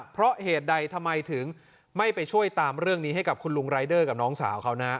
เพราะเหตุใดทำไมถึงไม่ไปช่วยตามเรื่องนี้ให้กับคุณลุงรายเดอร์กับน้องสาวเขานะ